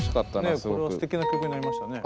ねっこれはすてきな曲になりましたね。